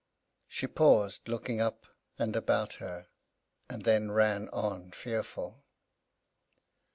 She paused, looked up and about her, and then ran on, fearful.